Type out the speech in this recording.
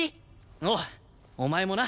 おうお前もな！